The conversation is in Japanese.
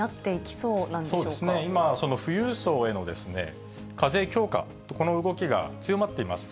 そうですね、今、その富裕層への課税強化、この動きが強まっています。